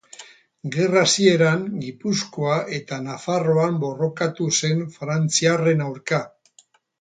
Gerra hasieran, Gipuzkoa eta Nafarroan borrokatu zen frantziarren aurka.